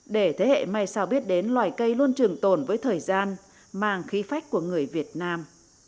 để thế hệ mai sau biết đến loài cây luôn trường tồn với thời gian mang khí phách của người việt nam